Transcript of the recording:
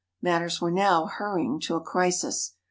Matters were now hurrying to a crisis.